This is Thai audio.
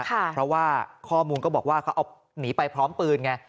เพราะว่าข้อมูลก็บอกว่าเขาเอาหนีไปพร้อมปืนไง